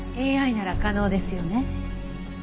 ＡＩなら可能ですよね？